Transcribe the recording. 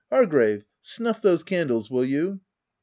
Hargrave, snuff those candles, will you?"